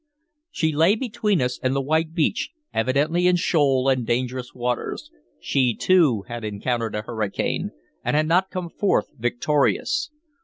She lay between us and the white beach, evidently in shoal and dangerous waters. She too had encountered a hurricane, and had not come forth victorious.